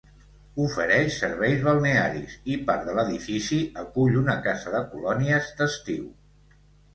Ofereix serveis balnearis i part de l'edifici acull una casa de colònies d'estiu.